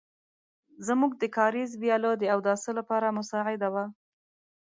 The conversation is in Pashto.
زموږ د کاریز وياله د اوداسه لپاره مساعده وه.